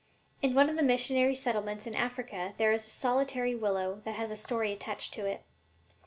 In one of the missionary settlements in Africa there is a solitary willow that has a story attached to it.